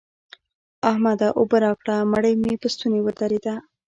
احمده! اوبه راکړه؛ مړۍ مې په ستونې ودرېده.